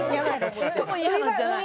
ちっともいい話じゃない。